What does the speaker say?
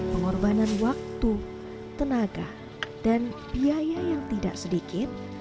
pengorbanan waktu tenaga dan biaya yang tidak sedikit